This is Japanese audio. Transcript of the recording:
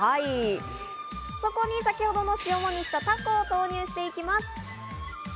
そこに先程の塩もみしたタコを投入していきます。